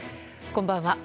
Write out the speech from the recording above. こんばんは。